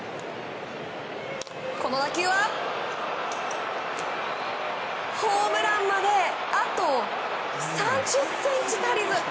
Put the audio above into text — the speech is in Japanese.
この打球は、ホームランまであと３０ｃｍ足りず。